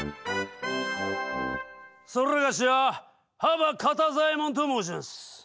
それがしは幅肩座右衛門と申します。